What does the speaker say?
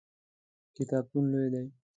کتابتون لوی دی؟